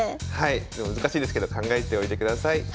難しいですけど考えておいてください。